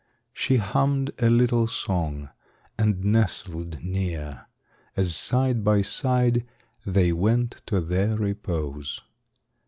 She hummed a little song and nestled near, As side by side they went to their repose.